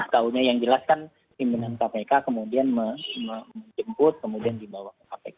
tahunya yang jelas kan pimpinan kpk kemudian menjemput kemudian dibawa ke kpk